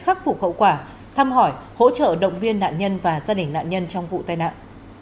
khắc phục hậu quả thăm hỏi hỗ trợ động viên nạn nhân và gia đình nạn nhân trong vụ tai nạn